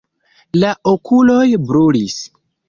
La okuloj brulis.